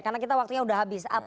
karena kita waktunya sudah habis